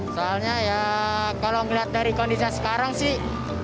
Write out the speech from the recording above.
soalnya ya kalau melihat dari kondisi sekarang sih